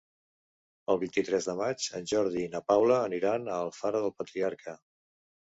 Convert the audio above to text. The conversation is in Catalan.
El vint-i-tres de maig en Jordi i na Paula aniran a Alfara del Patriarca.